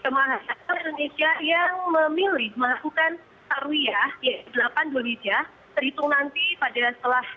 jum'ah haji asal indonesia yang saat ini sudah berdatangan di maktab empat puluh empat mina